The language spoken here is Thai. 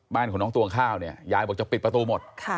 บ้านของน้องตวงข้าวเนี่ยยายบอกจะปิดประตูหมด